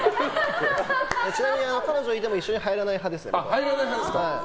ちなみに彼女いても一緒に入らない派です。